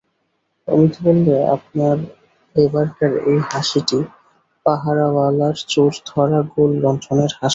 অমিত বললে, আপনার এবারকার এই হাসিটি পাহারাওয়ালার চোর-ধরা গোল লণ্ঠনের হাসি।